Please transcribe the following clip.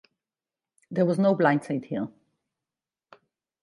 There was no blindside here.